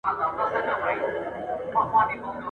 او ستا پت مي په مالت کي دی ساتلی !.